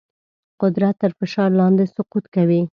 قدرت تر فشار لاندې سقوط کوي.